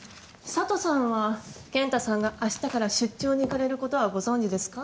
佐都さんは健太さんがあしたから出張に行かれることはご存じですか？